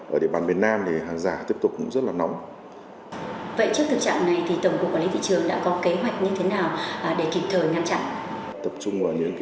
ở địa bàn miền nam thì hàng giả tiếp tục cũng rất là nóng